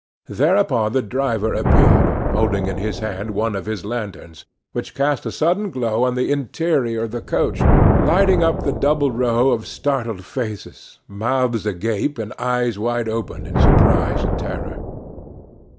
Thereupon the driver appeared, holding in his hand one of his lanterns, which cast a sudden glow on the interior of the coach, lighting up the double row of startled faces, mouths agape, and eyes wide open in surprise and terror.